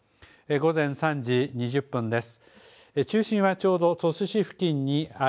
午前３時２０分です。